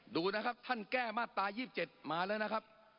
ดูนะครับท่านแก้มาตรา๒๗มาแล้วนะครับ